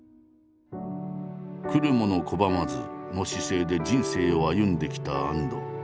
「来る者拒まず」の姿勢で人生を歩んできた安藤。